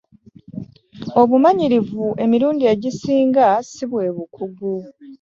obumanyirivu emirundi egisinga si bwe bukugu.